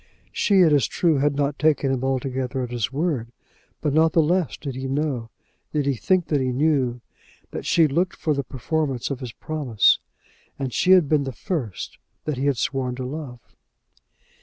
She, it is true, had not taken him altogether at his word, but not the less did he know, did he think that he knew, that she looked for the performance of his promise. And she had been the first that he had sworn to love!